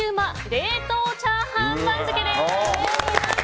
冷凍チャーハン番付です。